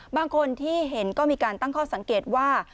บางคนที่เห็นก็มีการตั้งข้อสังเกตว่า